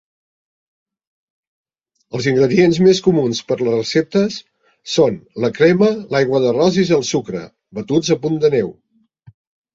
Els ingredients més comuns per les receptes són la crema, l"aigua de roses i el sucre, batuts a punt de neu.